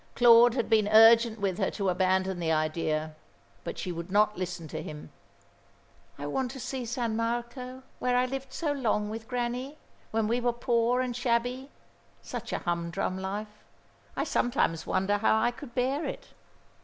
Claude had been urgent with her to abandon the idea, but she would not listen to him. "I want to see San Marco, where I lived so long with Grannie; when we were poor and shabby such a humdrum life. I sometimes wonder how I could bear it?"